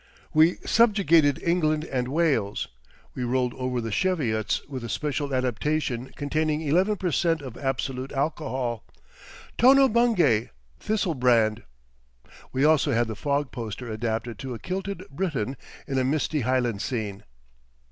We subjugated England and Wales; we rolled over the Cheviots with a special adaptation containing eleven per cent. of absolute alcohol; "Tono Bungay: Thistle Brand." We also had the Fog poster adapted to a kilted Briton in a misty Highland scene.